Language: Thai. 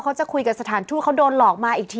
เขาจะคุยกับสถานทูตเขาโดนหลอกมาอีกที